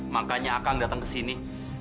makanya akang datang ke sini